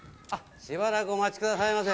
しばらくお待ちくださいませ。